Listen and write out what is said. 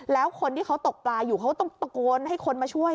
แล้วคนที่เขาตกปลาอยู่เขาต้องตะโกนให้คนมาช่วย